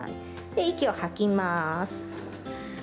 息を吐きます。